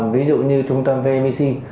ví dụ như trung tâm vnvc